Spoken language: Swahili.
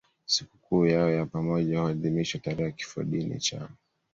Sikukuu yao ya pamoja huadhimishwa tarehe ya kifodini chao.